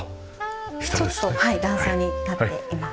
ちょっと段差になっています。